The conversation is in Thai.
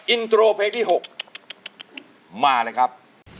อินโทรเพลงที่๖มาเลยครับ